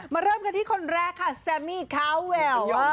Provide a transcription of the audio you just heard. เริ่มกันที่คนแรกค่ะแซมมี่คาวแวว